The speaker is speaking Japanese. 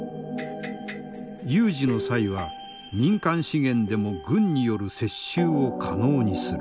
有事の際は民間資源でも軍による接収を可能にする。